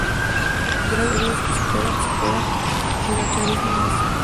Dragon Ball Heroes: Super Charisma Mission!